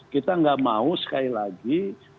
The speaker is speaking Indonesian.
kita nggak mau sekali lagi